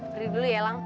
pergi dulu ya lang